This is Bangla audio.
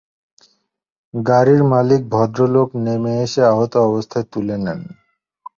গাড়ির মালিক ভদ্রলোক নেমে এসে আহত অবস্থায় তুলে নেন।